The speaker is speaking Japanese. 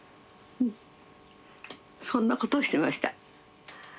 そんなことしてました。